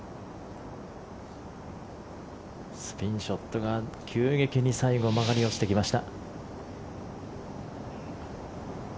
スピンショットが急激に最後曲がり落ちてきました。